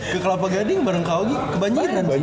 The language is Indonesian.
ke kelapa gading bareng kaugi kebanjir nanti